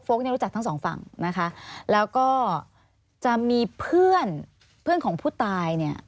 โฟล์กรู้จักทั้งสองฝั่งแล้วก็จะมีเพื่อนของผู้ตาย